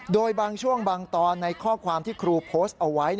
โดยบางช่วงบางตอนในข้อความที่ครูโพสต์เอาไว้